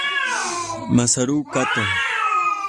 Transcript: Masaru Kato